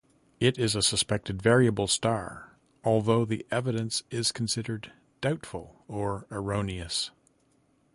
It is a suspected variable star, although the evidence is considered "doubtful or erroneous".